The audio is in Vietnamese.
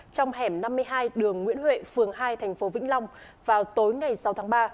trong hẻm năm mươi hai đường nguyễn huệ phường hai thành phố vĩnh long vào tối ngày sáu tháng ba